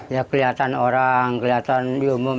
ya kelihatan orang kelihatan di umum